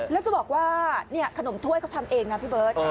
แล้วจะบอกว่าขนมถ้วยเขาทำเองนะพี่เบิร์ต